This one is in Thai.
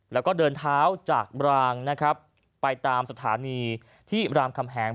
แล้วก็เดินเท้าจากบรางนะครับไปตามสถานีที่รามคำแหง